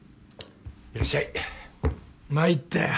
いらっしゃいまいったよ